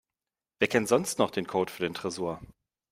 Wer kennt sonst noch den Code für den Tresor?